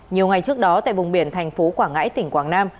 nhiều ngày trước đó tại vùng biển thành phố quảng ngãi tỉnh quảng nam